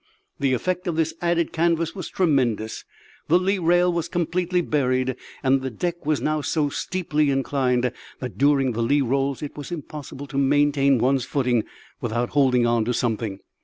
The effect of this added canvas was tremendous; the lee rail was completely buried, and the deck was now so steeply inclined that during the lee rolls it was impossible to maintain one's footing without holding on to something.